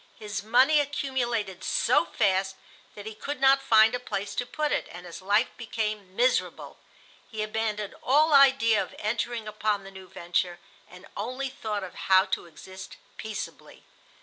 His money accumulated so fast that he could not find a place to put it, and his life became miserable. He abandoned all idea of entering upon the new venture, and only thought of how to exist peaceably.